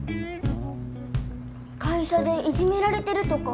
会社でいじめられてるとか。